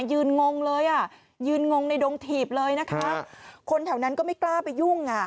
งงเลยอ่ะยืนงงในดงถีบเลยนะคะคนแถวนั้นก็ไม่กล้าไปยุ่งอ่ะ